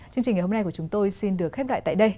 chương trình ngày hôm nay của chúng tôi xin được khép lại tại đây